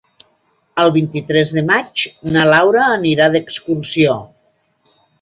El vint-i-tres de maig na Laura anirà d'excursió.